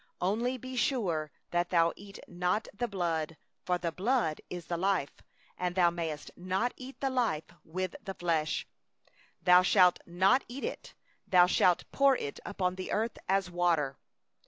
23Only be stedfast in not eating the blood; for the blood is the life; and thou shalt not eat the life with the flesh. 24Thou shalt not eat it; thou shalt pour it out upon the earth as water.